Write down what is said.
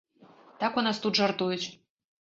Так у нас тут жартуюць.